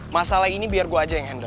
masalah ini biar gue aja yang endor